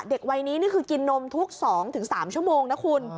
เด็กวัยนี้นี่คือกินนมทุก๒๓ชั่วโมงนะคุณ